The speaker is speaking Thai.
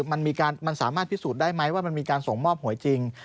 มันสามารถพิสูจน์ได้ไหมว่ามันมีการส่งมอบหวยจริง